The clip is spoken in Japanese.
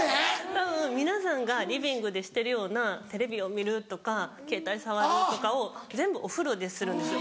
たぶん皆さんがリビングでしてるようなテレビを見るとかケータイ触るとかを全部お風呂でするんですよ。